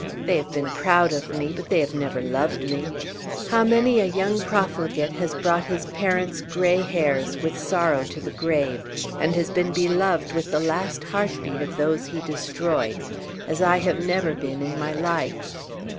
They have been proud of me, but they have never loved me. How many a young profligate has brought his parents' gray hairs with sorrow to the grave, and has been beloved with the last heart beat of those he destroyed as I have never been in my life!